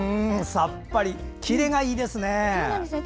さっぱりきれがいいですね。